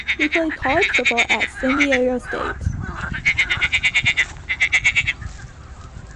He played college football at San Diego State.